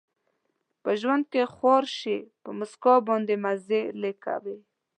په ژوند کې خوار شي، په مسکا باندې مزلې کوي